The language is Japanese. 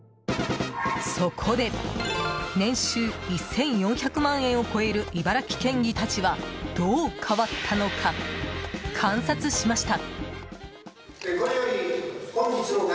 そこで年収１４００万円を超える茨城県議たちはどう変わったのか観察しました。